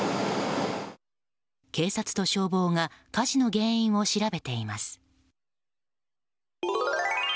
警察と消防が火事の原因を調べています。